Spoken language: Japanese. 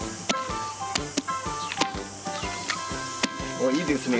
おっいいですね。